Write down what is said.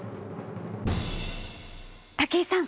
武井さん